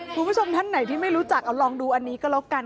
คุณผู้ชมท่านไหนที่ไม่รู้จักเอาลองดูอันนี้ก็แล้วกัน